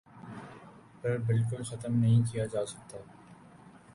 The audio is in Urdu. پر بالکل ختم نہیں کیا جاسکتا